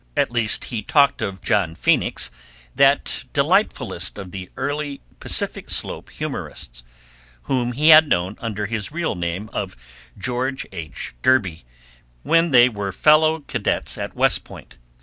At least he talked of John Phoenix, that delightfulest of the early Pacific Slope humorists, whom he had known under his real name of George H. Derby, when they were fellow cadets at West Point.